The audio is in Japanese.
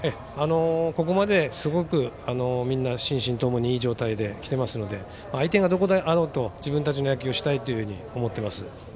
ここまですごくみんな、心身ともにいい状態できてますので相手がどこだろうと自分たちの野球をしたいと思っています。